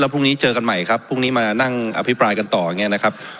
พรุ่งนี้เจอกันใหม่ครับพรุ่งนี้มานั่งอภิปรายกันต่ออย่างนี้นะครับ